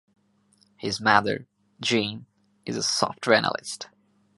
His mother, Jane, is a software analyst.